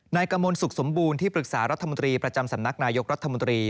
นายกมลสุขสมบูรณ์ที่ปรึกษารัฐมนตรีประจำสำนักนายกรัฐมนตรี